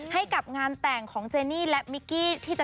ให้กับงานแต่งของเจนี่และมิกิ